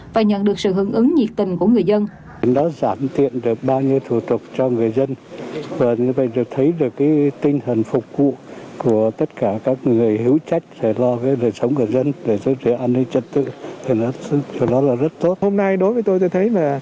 và nhận được sự hứng ứng nhiệt tình của người dân